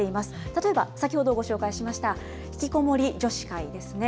例えば、先ほどご紹介しました、ひきこもり女子会ですね。